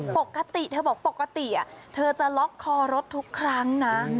ปกติเธอบอกปกติเธอจะล็อกคอรถทุกครั้งนะ